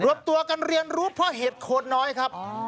รวมตัวกันเรียนรู้เพราะเห็ดโคนน้อยครับ